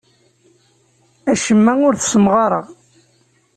Acemma ur t-ssemɣareɣ.